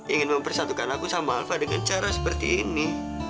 ingin mempersatukan aku sama alfa dengan cara seperti ini